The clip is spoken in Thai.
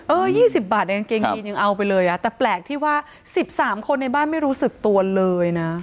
๒๐บาทในกางเกงยีนยังเอาไปเลยอ่ะแต่แปลกที่ว่า๑๓คนในบ้านไม่รู้สึกตัวเลยนะ